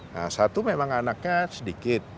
nah satu memang anaknya sedikit